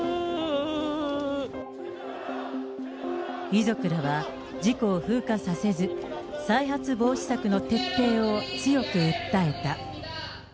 遺族らは事故を風化させず、再発防止策の徹底を強く訴えた。